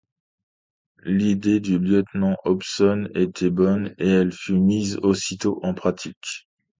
L’idée du lieutenant Hobson était bonne, et elle fut mise aussitôt en pratique.